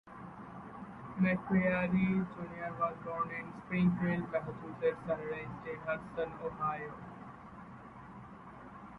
McCreary Junior was born in Springfield, Massachusetts, and raised in Hudson, Ohio.